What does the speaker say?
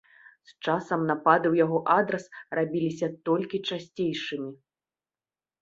З часам напады ў яго адрас рабіліся толькі часцейшымі.